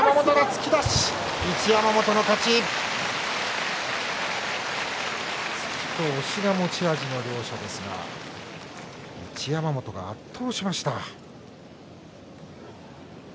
突きと押しが持ち味の両者ですが一山本が圧倒しました。